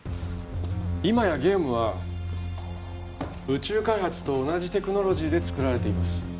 今やゲームは宇宙開発と同じテクノロジーで作られています